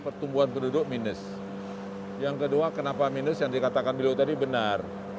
pertumbuhan penduduk minus yang kedua kenapa minus yang dikatakan beliau tadi benar